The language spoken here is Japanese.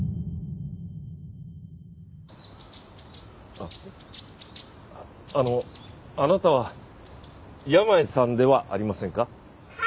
あっあのあなたは山家さんではありませんか？は。